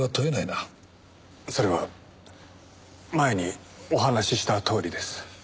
それは前にお話ししたとおりです。